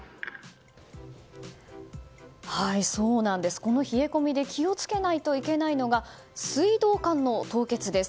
この冷え込みで気を付けないといけないのが水道管の凍結です。